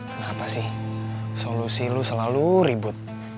kenapa sih solusi lo selalu ribut